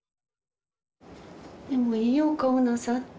でもいいお顔なさってて。